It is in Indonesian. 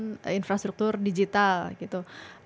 yang membangun infrastruktur digital yang membangun infrastruktur digital